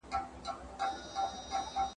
مه کوه په چا چي وبه سي په تا `